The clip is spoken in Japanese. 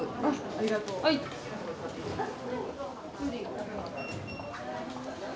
ありがとうございます。